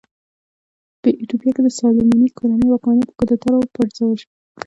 په ایتوپیا کې د سالومونیک کورنۍ واکمني په کودتا راوپرځول شوه.